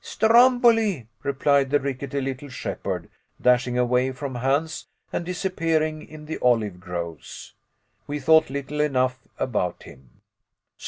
"Stromboli," replied the rickety little shepherd, dashing away from Hans and disappearing in the olive groves. We thought little enough about him.